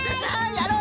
やろう！